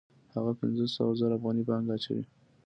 هغه پنځه سوه زره افغانۍ پانګه اچوي